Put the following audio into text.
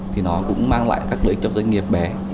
thì nó cũng mang lại các lợi ích cho doanh nghiệp bé